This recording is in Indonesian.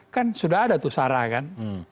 kan sudah ada tuh sarah kan